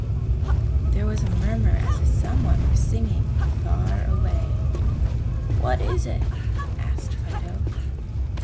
There was a murmur as if someone were singing, far away. "What is it?" asked Fido.